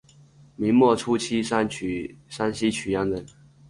明末清初山西阳曲人。